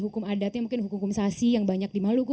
hukum adatnya mungkin hukum kumsasi yang banyak di maluku